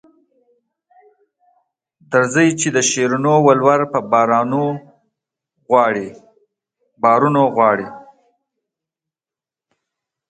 درځئ چې د شیرینو ولور په بارونو غواړي.